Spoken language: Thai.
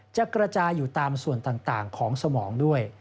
จะกระจายอยู่ตามส่วนต่างของสมองด้วย